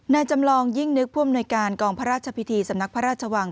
จำลองยิ่งนึกผู้อำนวยการกองพระราชพิธีสำนักพระราชวัง